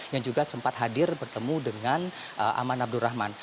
yang juga sempat hadir bertemu dengan aman abdurrahman